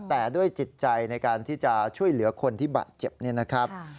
แต่ด้วยจิตใจในการที่จะช่วยเหลือคนที่บาดเจ็บเนี่ยนะครับ